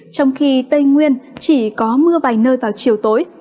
trong khi tây nguyên chỉ có mưa vài nơi vào chiều tối